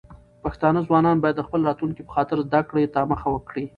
پښتانه ځوانان بايد د خپل راتلونکي په خاطر زده کړو ته مخه کړي.